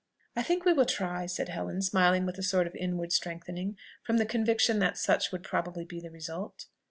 "I think we will try," said Helen, smiling with a sort of inward strengthening, from the conviction that such would very probably be the result.